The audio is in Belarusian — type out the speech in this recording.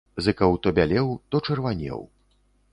Зыкаў то бялеў, то чырванеў.